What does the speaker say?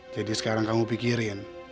jadi sekarang kamu pikirin